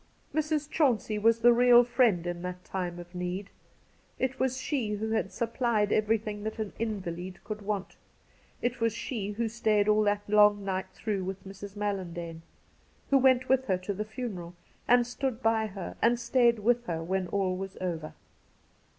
' Mrs. Chauncey was the real friend in that time of need. It was she who had supplied everything that an invalid could want ; it was she who stayed all that long night through with Mrs. MaUandane, who went with her to the funeral and stood by her, and stayed with her when all was over.